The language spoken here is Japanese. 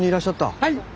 はい。